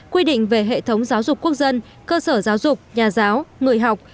quy định về hệ thống giáo dục quốc dân cơ sở giáo dục nhà giáo người học